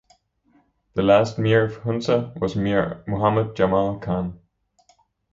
The last Mir of Hunza was Mir Muhammad Jamal Khan.